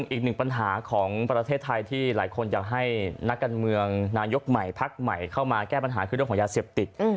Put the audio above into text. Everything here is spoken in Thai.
อีกหนึ่งปัญหาของประเทศไทยที่หลายคนอยากให้นักการเมืองนายกใหม่พักใหม่เข้ามาแก้ปัญหาคือเรื่องของยาเสพติด